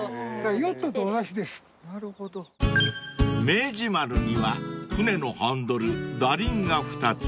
［明治丸には船のハンドル舵輪が２つ］